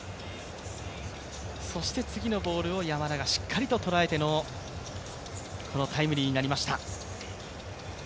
そして次のボールを山田がしっかりととらえてのこのタイムリーになりました。